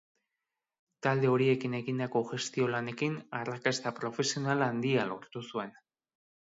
Talde horiekin egindako gestio lanekin arrakasta profesional handia lortu zuen.